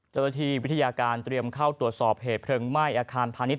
เจ้าหน้าที่วิทยาการเตรียมเข้าตรวจสอบเหตุเพลิงไหม้อาคารพาณิชย